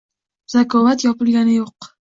“Zakovat” yopilgani yoʻq.